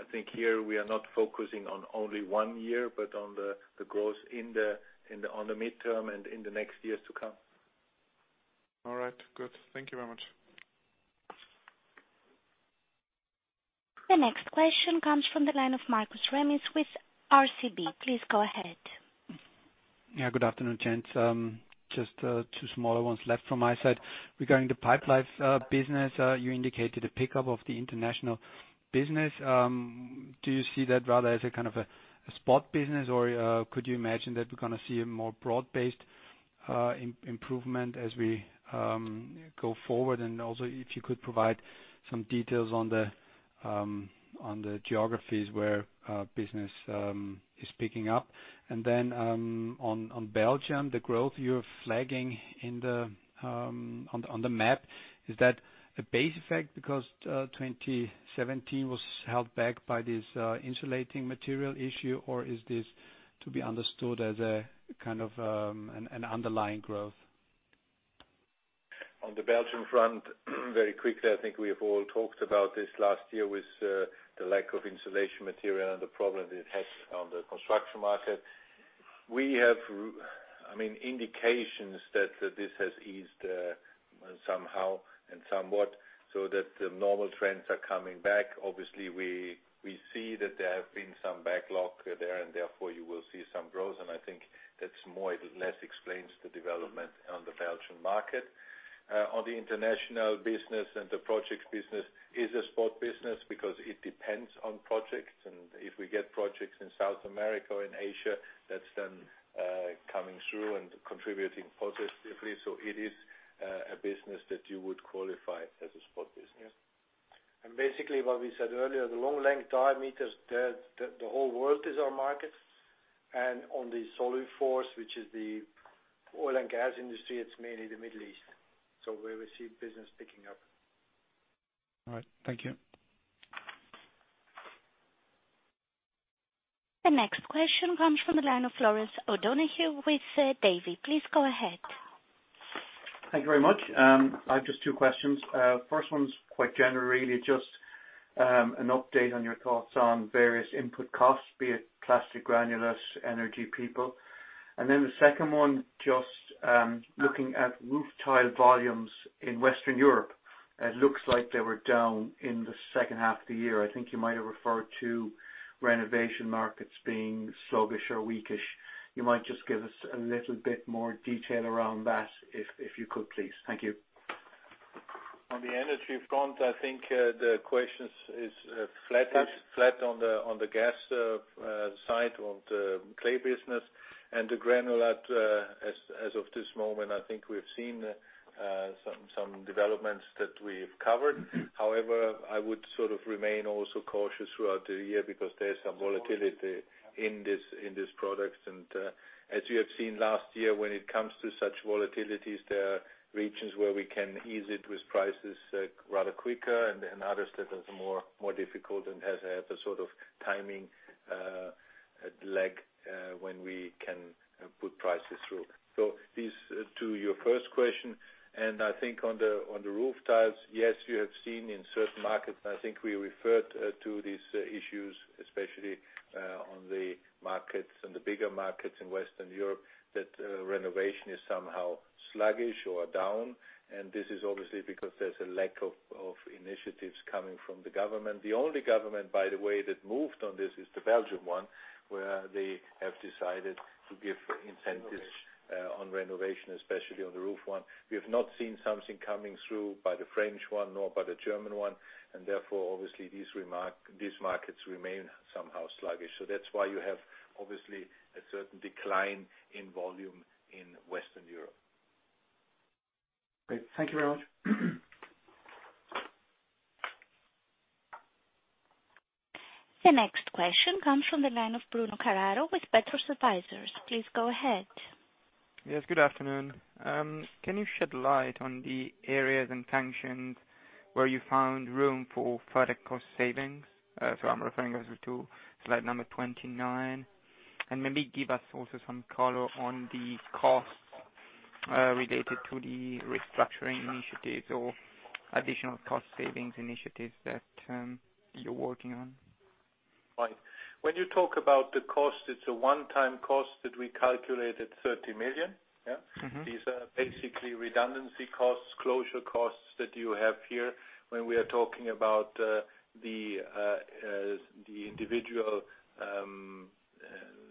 I think here we are not focusing on only one year, but on the growth on the midterm and in the next years to come. All right, good. Thank you very much. The next question comes from the line of Markus Remis with RCB. Please go ahead. Good afternoon, gents. Just two smaller ones left from my side. Regarding the Pipelife business, you indicated a pickup of the international business. Do you see that rather as a kind of a spot business, or could you imagine that we're going to see a more broad-based improvement as we go forward? Also, if you could provide some details on the geographies where business is picking up. Then on Belgium, the growth you're flagging on the map, is that a base effect because 2017 was held back by this insulating material issue, or is this to be understood as a kind of an underlying growth? On the Belgium front, very quickly, I think we have all talked about this last year with the lack of insulation material and the problem that it had on the construction market. We have indications that this has eased somehow and somewhat so that the normal trends are coming back. Obviously, we see that there have been some backlog there, and therefore you will see some growth. I think that more or less explains the development on the Belgium market. On the international business and the projects business is a spot business because it depends on projects. If we get projects in South America or in Asia, that's then coming through and contributing positively. It is a business that you would qualify as a spot business. Basically what we said earlier, the long length diameters, the whole world is our market. On the SoluForce, which is the oil and gas industry, it's mainly the Middle East. Where we see business picking up. All right. Thank you. The next question comes from the line of Flor O'Donoghue with Davy. Please go ahead. Thank you very much. I have just two questions. The first one's quite generally just an update on your thoughts on various input costs, be it plastic granulates, energy, people. The second one, just looking at roof tile volumes in Western Europe. It looks like they were down in the second half of the year. I think you might have referred to renovation markets being sluggish or weakish. You might just give us a little bit more detail around that if you could, please. Thank you. On the energy front, I think the question is flat on the gas side of the clay business and the granulate as of this moment, I think we've seen some developments that we've covered. However, I would remain also cautious throughout the year because there is some volatility in these products. As you have seen last year, when it comes to such volatilities, there are regions where we can ease it with prices rather quicker and others that are more difficult and have had a sort of timing lag when we can put prices through. These, to your first question, and I think on the roof tiles, yes, you have seen in certain markets, and I think we referred to these issues, especially on the markets and the bigger markets in Western Europe, that renovation is somehow sluggish or down. This is obviously because there's a lack of initiatives coming from the government. The only government, by the way, that moved on this is the Belgian one, where they have decided to give incentives on renovation, especially on the roof one. We have not seen something coming through by the French one nor by the German one, therefore obviously these markets remain somehow sluggish. That's why you have obviously a certain decline in volume in Western Europe. Great. Thank you very much. The next question comes from the line of Bruno Carraro with Petrus Advisers. Please go ahead. Yes, good afternoon. Can you shed light on the areas and functions where you found room for further cost savings? I'm referring also to slide number 29. Maybe give us also some color on the costs related to the restructuring initiatives or additional cost savings initiatives that you're working on. Right. When you talk about the cost, it's a one-time cost that we calculated 30 million. These are basically redundancy costs, closure costs that you have here when we are talking about the individual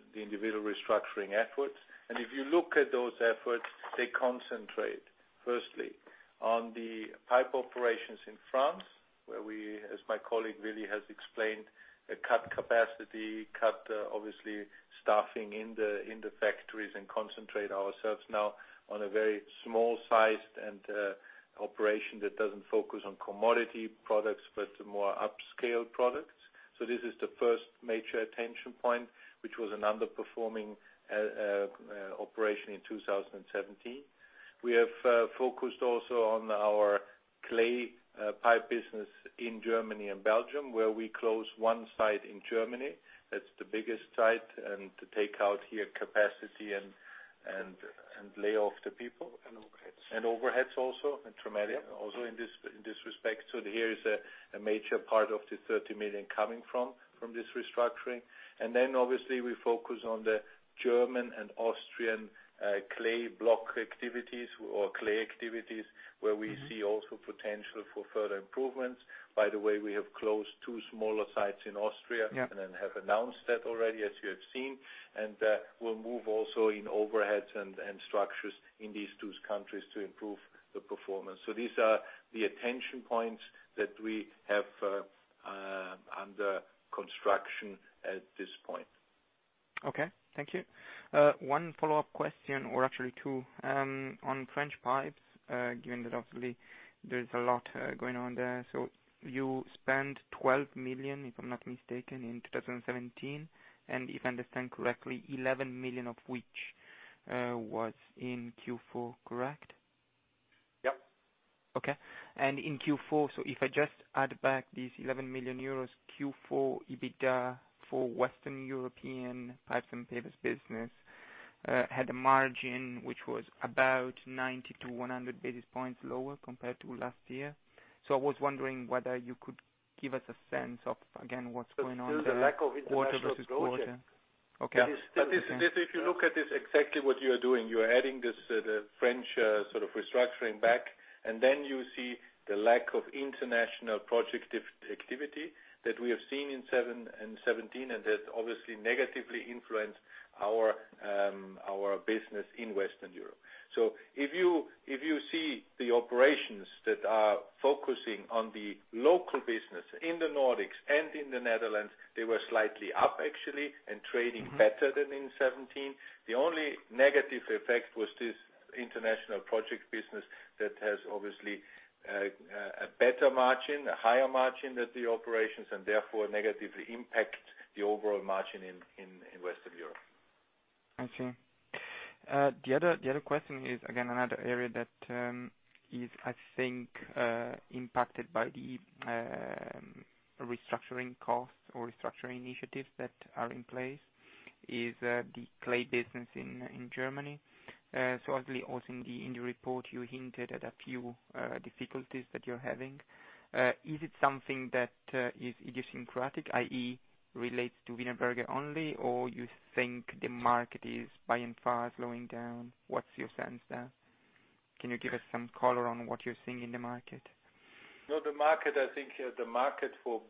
restructuring efforts. If you look at those efforts, they concentrate firstly on the pipe operations in France, where we, as my colleague Willy has explained, cut capacity, cut obviously staffing in the factories and concentrate ourselves now on a very small sized and operation that doesn't focus on commodity products, but more upscale products. This is the first major attention point, which was an underperforming operation in 2017. We have focused also on our clay pipe business in Germany and Belgium, where we close one site in Germany. That's the biggest site, and to take out here capacity and lay off the people. Overheads. Overheads also, and from area also in this respect. Here is a major part of the 30 million coming from this restructuring. Obviously we focus on the German and Austrian clay block activities or clay activities, where we see also potential for further improvements. By the way, we have closed two smaller sites in Austria. Yeah. Have announced that already, as you have seen, and will move also in overheads and structures in these two countries to improve the performance. These are the attention points that we have under construction at this point. Okay. Thank you. One follow-up question, or actually two. On French pipes, given that obviously there's a lot going on there. You spent 12 million, if I'm not mistaken, in 2017, and if I understand correctly, 11 million of which was in Q4, correct? Yep. In Q4, if I just add back these 11 million euros Q4 EBITDA for Western European Pipes & Pavers business, had a margin which was about 90 to 100 basis points lower compared to last year. I was wondering whether you could give us a sense of, again, what's going on there quarter versus quarter. The lack of international projects. Okay. If you look at this, exactly what you are doing, you are adding the French restructuring back, then you see the lack of international project activity that we have seen in 2017, and that obviously negatively influenced our business in Western Europe. If you see the operations that are focusing on the local business in the Nordics and in the Netherlands, they were slightly up actually and trading better than in 2017. The only negative effect was this international project business that has obviously a better margin, a higher margin than the operations and therefore negatively impact the overall margin in Western Europe. I see. The other question is, again, another area that is, I think, impacted by the restructuring costs or restructuring initiatives that are in place is the clay business in Germany. Obviously also in the report you hinted at a few difficulties that you're having. Is it something that is idiosyncratic, i.e., relates to Wienerberger only, or you think the market is by and far slowing down? What's your sense there? Can you give us some color on what you're seeing in the market? No, the market, I think the market for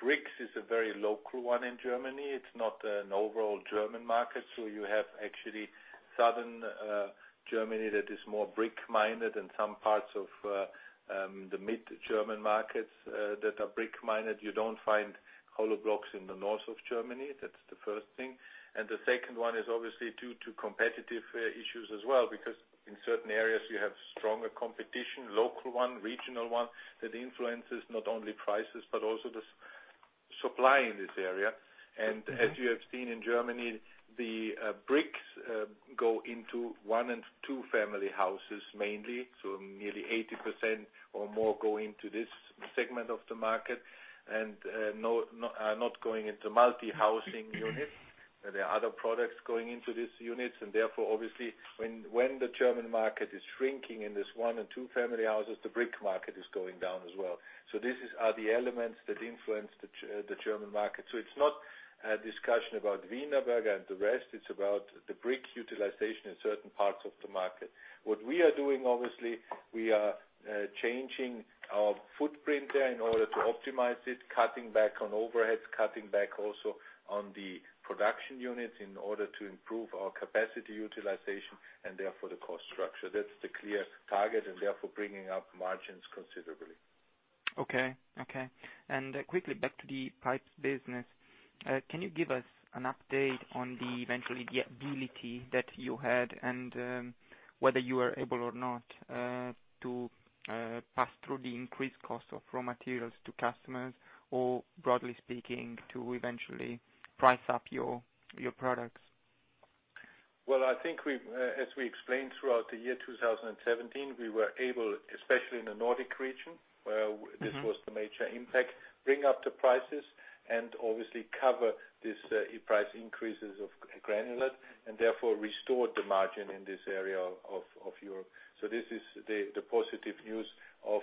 bricks is a very local one in Germany. It's not an overall German market. You have actually southern Germany that is more brick-minded and some parts of the mid-German markets that are brick-minded. You don't find hollow blocks in the north of Germany. That's the first thing. The second one is obviously due to competitive issues as well, because in certain areas you have stronger competition, local one, regional one, that influences not only prices but also the supply in this area. As you have seen in Germany, the bricks go into one and two family houses, mainly. Nearly 80% or more go into this segment of the market and not going into multi-housing units. There are other products going into these units, and therefore obviously when the German market is shrinking in this one and two family houses, the brick market is going down as well. These are the elements that influence the German market. It's not a discussion about Wienerberger and the rest, it's about the brick utilization in certain parts of the market. What we are doing, obviously, we are changing our footprint there in order to optimize it, cutting back on overheads, cutting back also on the production units in order to improve our capacity utilization and therefore the cost structure. That's the clear target and therefore bringing up margins considerably. Okay. Quickly back to the pipes business. Can you give us an update on the eventually the ability that you had and whether you were able or not to pass through the increased cost of raw materials to customers, or broadly speaking, to eventually price up your products? Well, I think as we explained throughout the year 2017, we were able, especially in the Nordic region, where this was the major impact, bring up the prices and obviously cover these price increases of granulate and therefore restored the margin in this area of Europe. This is the positive news of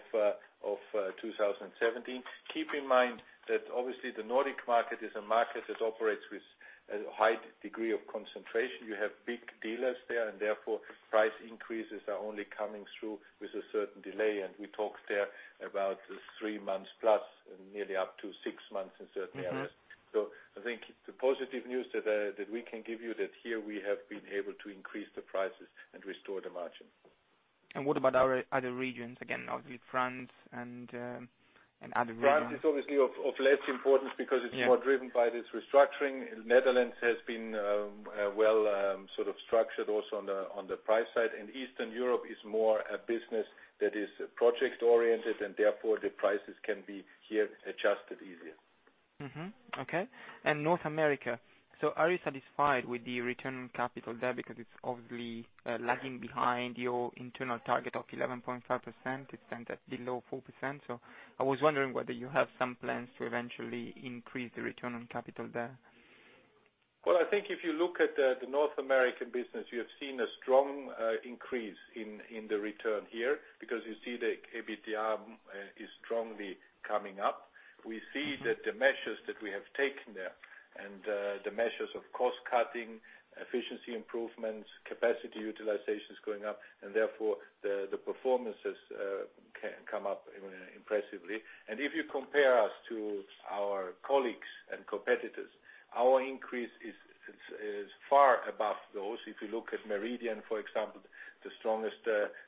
2017. Keep in mind that obviously the Nordic market is a market that operates with a high degree of concentration. You have big dealers there, and therefore price increases are only coming through with a certain delay, and we talked there about three months plus, nearly up to six months in certain areas. I think the positive news that we can give you that here we have been able to increase the prices and restore the margin. What about other regions, again, obviously France and other regions? France is obviously of less importance because it's more driven by this restructuring. Netherlands has been well sort of structured also on the price side, and Eastern Europe is more a business that is project-oriented, and therefore the prices can be here adjusted easier. Okay. North America, are you satisfied with the return on capital there? Because it's obviously lagging behind your internal target of 11.5%. I was wondering whether you have some plans to eventually increase the return on capital there. Well, I think if you look at the North American business, you have seen a strong increase in the return here because you see the EBITDA is strongly coming up. We see that the measures that we have taken there and the measures of cost-cutting, efficiency improvements, capacity utilization is going up. Therefore, the performances can come up impressively. If you compare us to our colleagues and competitors, our increase is far above those. If you look at Meridian, for example, the strongest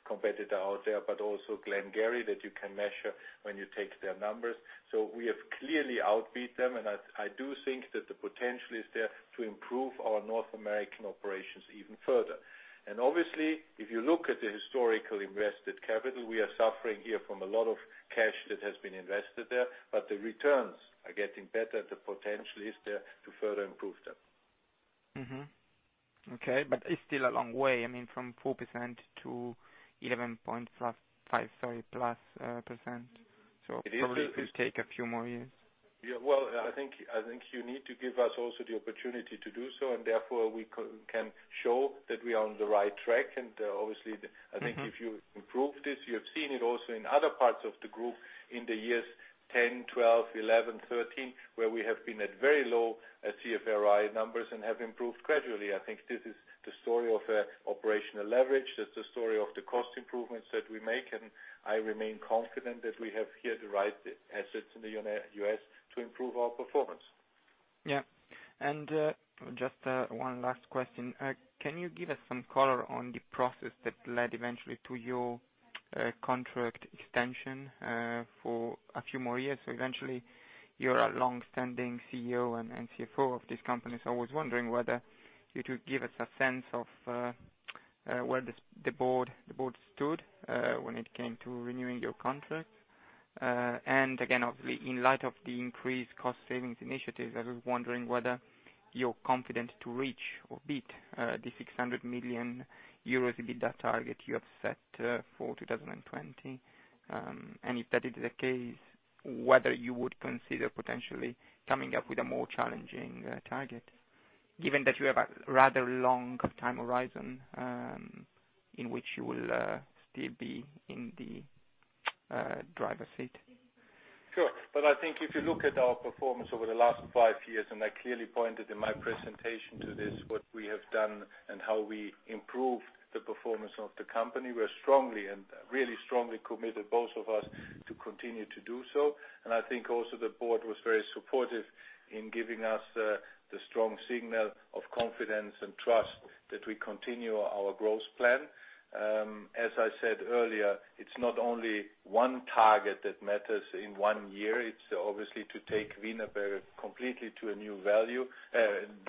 competitor out there, but also Glen-Gery, that you can measure when you take their numbers. We have clearly outbeat them. I do think that the potential is there to improve our North American operations even further. Obviously, if you look at the historical invested capital, we are suffering here from a lot of cash that has been invested there. The returns are getting better. The potential is there to further improve them. Okay. It's still a long way, I mean, from 4% to 11.5% plus. Probably it will take a few more years. Yeah. Well, I think you need to give us also the opportunity to do so. Therefore, we can show that we are on the right track. Obviously, I think if you improve this, you have seen it also in other parts of the group in the years 2010, 2012, 2011, 2013, where we have been at very low CFROI numbers and have improved gradually. I think this is the story of operational leverage. That's the story of the cost improvements that we make. I remain confident that we have here the right assets in the U.S. to improve our performance. Yeah. Just one last question. Can you give us some color on the process that led eventually to your contract extension for a few more years? Eventually you're a longstanding CEO and CFO of this company, so I was wondering whether you could give us a sense of where the board stood when it came to renewing your contract. Again, obviously in light of the increased cost savings initiatives, I was wondering whether you're confident to reach or beat the 600 million euros EBITDA target you have set for 2020. If that is the case, whether you would consider potentially coming up with a more challenging target, given that you have a rather long time horizon in which you will still be in the driver's seat. Sure. I think if you look at our performance over the last five years, and I clearly pointed in my presentation to this, what we have done and how we improved the performance of the company. We're strongly, and really strongly committed, both of us, to continue to do so. I think also the board was very supportive in giving us the strong signal of confidence and trust that we continue our growth plan. As I said earlier, it's not only one target that matters in one year, it's obviously to take Wienerberger completely to a new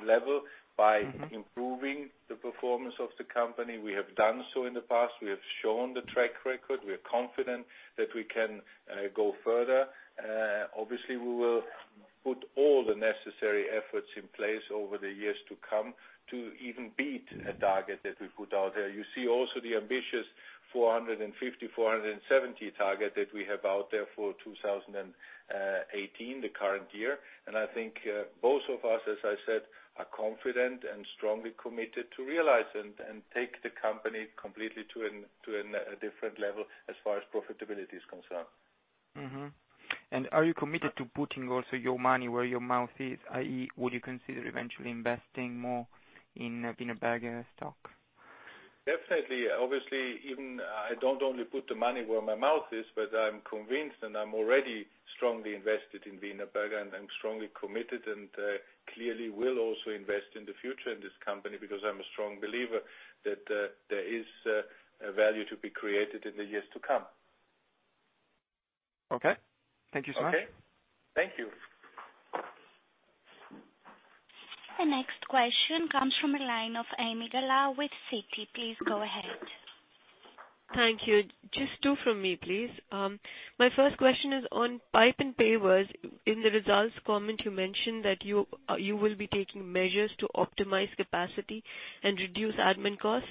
level by improving the performance of the company. We have done so in the past. We have shown the track record. We are confident that we can go further. Obviously, we will put all the necessary efforts in place over the years to come to even beat a target that we put out there. You see also the ambitious 450, 470 target that we have out there for 2018, the current year. I think both of us, as I said, are confident and strongly committed to realize and take the company completely to a different level as far as profitability is concerned. Mm-hmm. Are you committed to putting also your money where your mouth is? I.e., would you consider eventually investing more in Wienerberger stock? Definitely. Obviously, I don't only put the money where my mouth is, but I'm convinced, and I'm already strongly invested in Wienerberger and I'm strongly committed and clearly will also invest in the future in this company because I'm a strong believer that there is value to be created in the years to come. Okay. Thank you so much. Okay. Thank you. The next question comes from the line of Ami Galla with Citi. Please go ahead. Thank you. Just two from me, please. My first question is on Pipes & Pavers. In the results comment you mentioned that you will be taking measures to optimize capacity and reduce admin costs.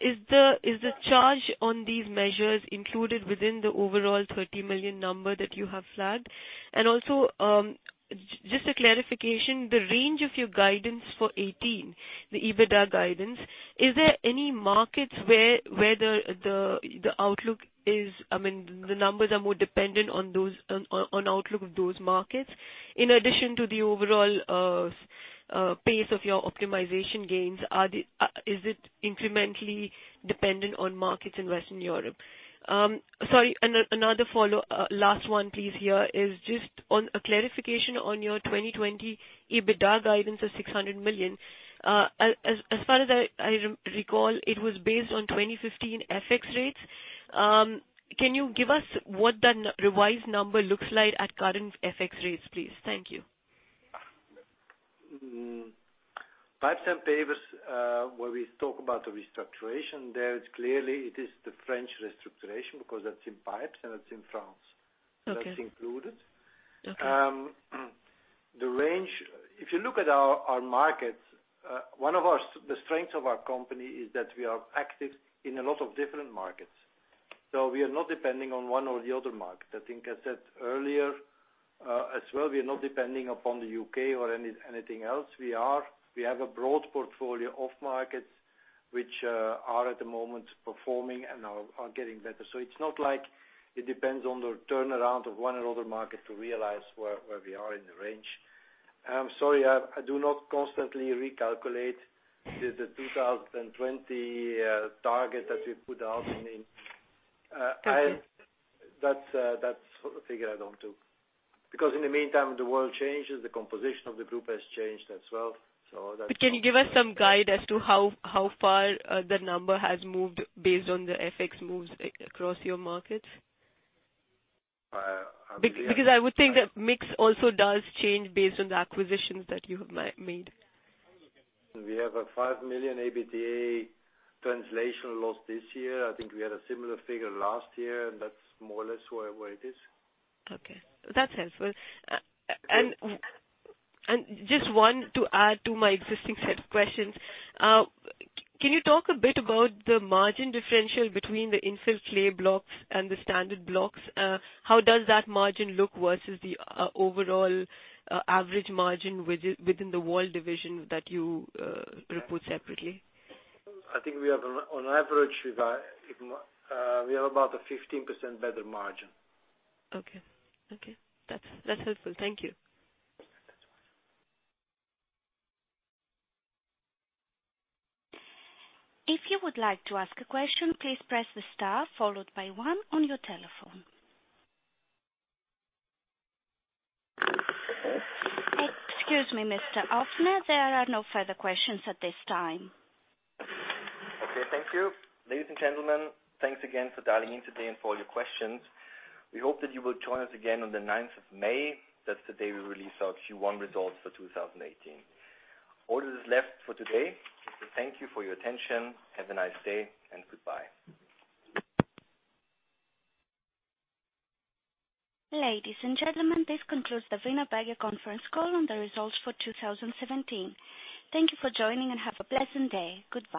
Is the charge on these measures included within the overall 30 million number that you have flagged? Just a clarification, the range of your guidance for 2018, the EBITDA guidance, the numbers are more dependent on outlook of those markets in addition to the overall pace of your optimization gains? Is it incrementally dependent on markets in Western Europe? Sorry, another follow-up. Last one, please, here, is just a clarification on your 2020 EBITDA guidance of 600 million. As far as I recall, it was based on 2015 FX rates. Can you give us what that revised number looks like at current FX rates, please? Thank you. Pipes & Pavers, where we talk about the restructuring, there it is clearly the French restructuring because that's in pipes and it's in France. Okay. That's included. Okay. If you look at our markets, one of the strengths of our company is that we are active in a lot of different markets. We are not depending on one or the other market. I think I said earlier, as well, we are not depending upon the U.K. or anything else. We have a broad portfolio of markets which are at the moment performing and are getting better. It's not like it depends on the turnaround of one or other market to realize where we are in the range. I'm sorry, I do not constantly recalculate the 2020 target that we put out. Okay. That's a figure I don't do. In the meantime, the world changes, the composition of the group has changed as well. Can you give us some guide as to how far that number has moved based on the FX moves across your markets? I believe. I would think that mix also does change based on the acquisitions that you have made. We have a 5 million EBITDA translation loss this year. I think we had a similar figure last year. That's more or less where it is. Okay, that's helpful. Just one to add to my existing set of questions. Can you talk a bit about the margin differential between the infill clay blocks and the standard blocks? How does that margin look versus the overall average margin within the wall division that you report separately? I think we have on average, we have about a 15% better margin. Okay. That's helpful. Thank you. If you would like to ask a question, please press the star followed by one on your telephone. Excuse me, Mr. Ofner, there are no further questions at this time. Okay. Thank you. Ladies and gentlemen, thanks again for dialing in today and for all your questions. We hope that you will join us again on the ninth of May. That's the day we release our Q1 results for 2018. All that is left for today. Thank you for your attention. Have a nice day, and goodbye. Ladies and gentlemen, this concludes the Wienerberger conference call on the results for 2017. Thank you for joining, and have a pleasant day. Goodbye.